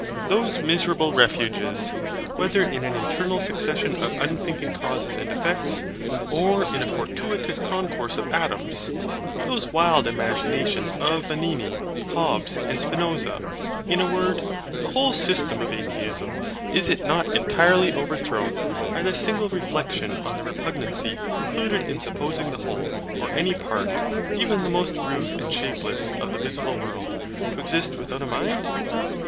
Those miserable refuges, whether in an eternal succession of unthinking causes and effects, or in a fortuitous concourse of atoms; those wild imaginations of Vanini, Hobbes, and Spinoza: in a word, the whole system of Atheism, is it not entirely overthrown, by this single reflexion on the repugnancy included in supposing the whole, or any part, even the most rude and shapeless, of the visible world, to exist without a mind?